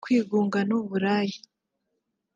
kwigunga n’uburaya